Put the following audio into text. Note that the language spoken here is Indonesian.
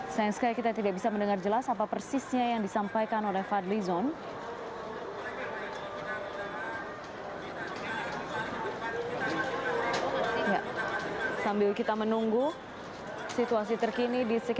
sayang sekali kita tidak bisa mendengar jelas apa persisnya yang disampaikan oleh fadli zon